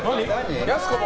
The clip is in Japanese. やす子も？